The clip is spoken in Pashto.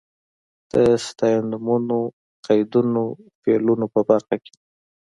د ستاینومونو، قیدونو، فعلونو په برخه کې.